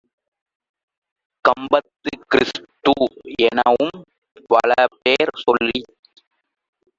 கம்மது, கிறிஸ்து-எனும் பலபேர் சொல்லிச்